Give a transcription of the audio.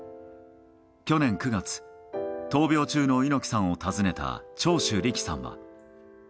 去年９月、闘病中の猪木さんを訪ねた長州力さんは。